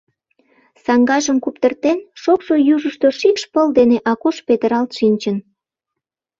Саҥгажым куптыртен, шокшо южышто шикш пыл дене Акош петыралт шинчын.